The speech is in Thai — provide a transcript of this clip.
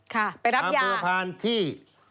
ค่ะไปรับยาอำเภอพานที่